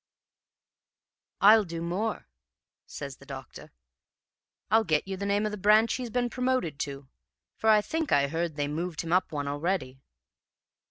"'I'll do more,' says the doctor. 'I'll get you the name of the branch he's been promoted to, for I think I heard they'd moved him up one already.'